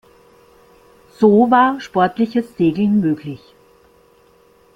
So war sportliches Segeln möglich.